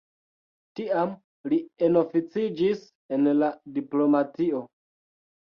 Tiam li enoficiĝis en la diplomatio.